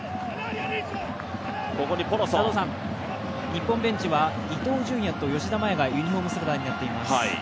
日本ベンチは伊東純也と吉田麻也がユニフォーム姿になっています。